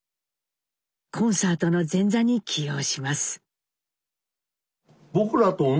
コンサートの前座に起用します。